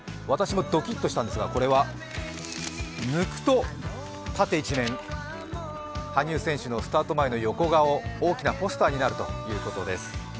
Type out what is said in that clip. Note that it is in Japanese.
私もドキットしたんですがこれは、抜くと縦一面羽生選手のスタート前の横顔、大きなポスターになるということです。